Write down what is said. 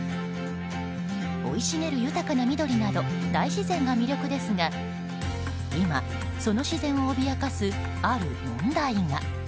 生い茂る豊かな緑など大自然が魅力ですが今、その自然を脅かすある問題が。